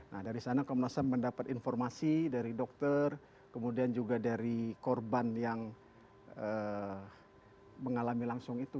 nah dari sana komnas ham mendapat informasi dari dokter kemudian juga dari korban yang mengalami langsung itu